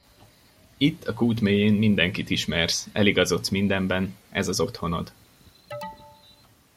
Itt a kút mélyén mindenkit ismersz, eligazodsz mindenben, ez az otthonod.